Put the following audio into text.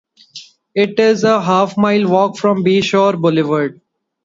It is a half-mile walk from Bayshore Boulevard.